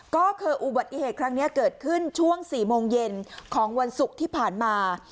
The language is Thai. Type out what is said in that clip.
ก็คืออุบัติเหตุครั้งนี้เกิดขึ้นช่วง๔โมงเย็นของวันศุกร์ที่ผ่านมา